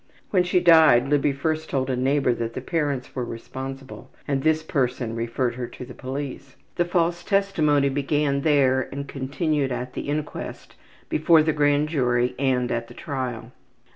When she died Libby first told a neighbor that the parents were responsible and this person referred her to the police. The false testimony began there and continued at the inquest, before the grand jury, and at the trial.